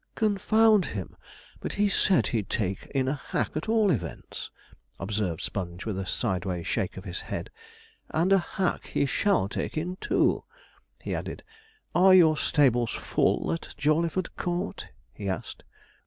'Confound him, but he said he'd take in a hack at all events,' observed Sponge, with a sideway shake of the head; 'and a hack he shall take in, too' he added. 'Are your stables full at Jawleyford Court?' he asked.